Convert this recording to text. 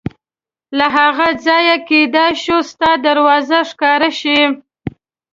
له هغه ځایه کېدای شوه ستا دروازه ښکاره شي.